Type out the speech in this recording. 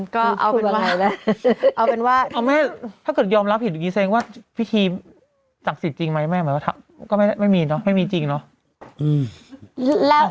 ก็เอาเป็นว่าถ้าเกิดยอมรับผิดอยู่ดีเซงว่าพิธีจักษ์สิทธิ์จริงไหมไม่มีจริงเนอะ